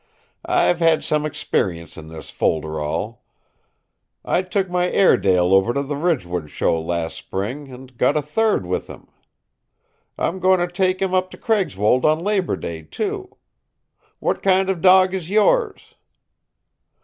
"I've had some experience in this folderol. I took my Airedale over to the Ridgewood show last spring and got a third with him. I'm going to take him up to Craigswold on Labor Day, too. What kind of dog is yours?"